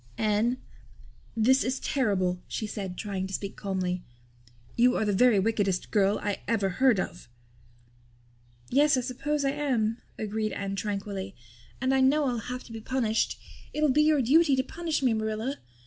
"Anne, this is terrible," she said, trying to speak calmly. "You are the very wickedest girl I ever heard of." "Yes, I suppose I am," agreed Anne tranquilly. "And I know I'll have to be punished. It'll be your duty to punish me, Marilla.